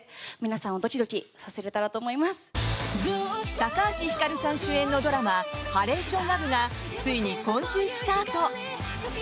高橋ひかるさん主演のドラマ「ハレーションラブ」がついに今週スタート。